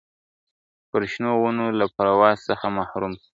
پر شنو ونو له پرواز څخه محروم سو ..